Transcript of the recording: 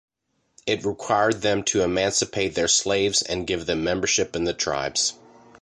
It required them to emancipate their slaves and give them membership in the tribes.